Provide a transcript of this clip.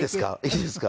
いいですか？